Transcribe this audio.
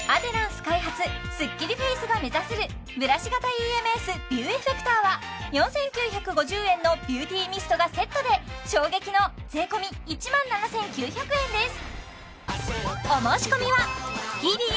スッキリフェイスが目指せるブラシ型ＥＭＳビューエフェクターは４９５０円のビューティーミストがセットで衝撃の税込１万７９００円です